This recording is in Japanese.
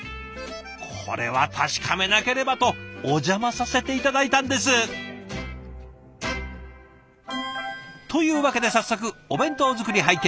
これは確かめなければとお邪魔させて頂いたんです！というわけで早速お弁当作り拝見。